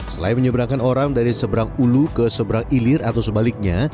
selain menyeberangkan orang dari seberang ulu ke seberang ilir atau sebaliknya